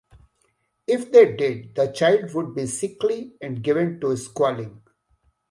If they did, the child would be sickly and given to squalling.